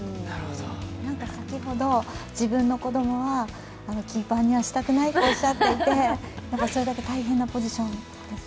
先ほど自分の子供は、キーパーにはしたくないとおっしゃっていて、それだけ大変なポジションですか？